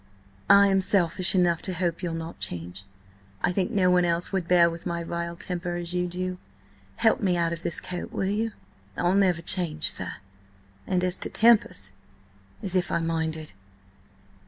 "I am selfish enough to hope you'll not change. I think no one else would bear with my vile temper as you do. Help me out of this coat, will you?" "I'll never change, sir. And as to tempers— As if I minded!"